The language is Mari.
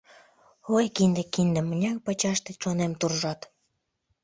Ой, кинде, кинде, мыняр пачаш тый чонем туржат!»